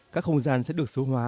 các không gian sẽ được số hóa